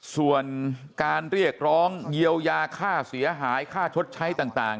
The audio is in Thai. ส่วนการเรียกร้องเยียวยาค่าเสียหายค่าชดใช้ต่าง